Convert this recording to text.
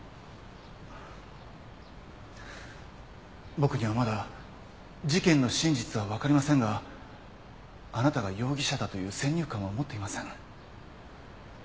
僕にはまだ事件の真実は分かりませんがあなたが容疑者だという先入観は持っていません。